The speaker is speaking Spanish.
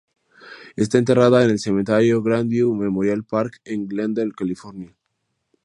Está enterrada en el cementerio Grand View Memorial Park en Glendale, California.